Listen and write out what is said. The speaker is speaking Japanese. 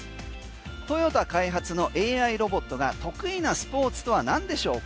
トヨタ開発のＡＩロボットが得意なスポーツとは何でしょうか？